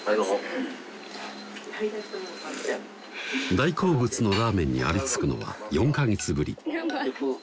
大好物のラーメンにありつくのは４か月ぶり